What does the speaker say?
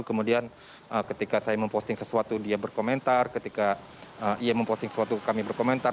kemudian ketika saya memposting sesuatu dia berkomentar ketika ia memposting sesuatu kami berkomentar